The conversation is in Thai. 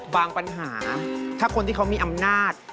ปัญหาถ้าคนที่เขามีอำนาจ